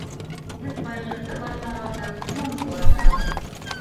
Һеҙ ҡайғырта башлағанда һуң буласаҡ!